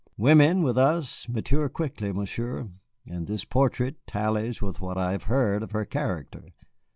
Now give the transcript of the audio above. Women, with us, mature quickly, Monsieur. And this portrait tallies with what I have heard of her character.